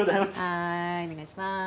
はいお願いします。